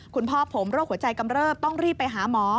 คุณพ่อผมโรคหัวใจกำเริบต้องรีบไปหาหมอ